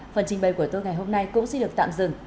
phần trình bày của tôi ngày hôm nay cũng xin được tạm dừng